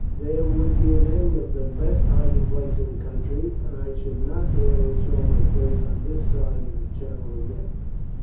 There would be an end of the best hiding place in the country, and I should not be able to show my face on this side of the Channel again."